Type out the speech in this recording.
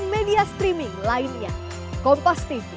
pak caksa itu yang tahu ya